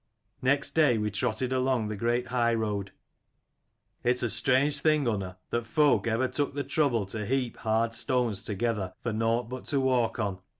"Next day we trotted along the great high road. It's a strange thing, Unna, that folk ever took the trouble to heap hard stones together for nought but to walk on.